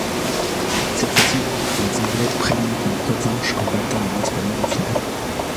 Cette fois-ci, les anglais prennent leur revanche en battant les espagnols en finale.